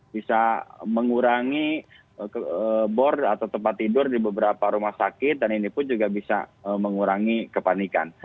bisa mengurangi bor atau tempat tidur di beberapa rumah sakit dan ini pun juga bisa mengurangi kepanikan